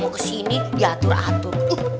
ke sini diatur atur